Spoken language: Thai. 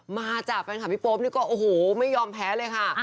มาจากแฟนคลับพี่โป๊ปนี่ก็โอ้โหไม่ยอมแพ้เลยค่ะ